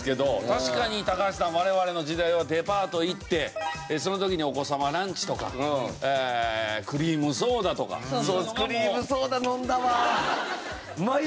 確かに高橋さん我々の時代はデパート行ってその時にお子様ランチとかクリームソーダとか。そうクリームソーダ飲んだわ！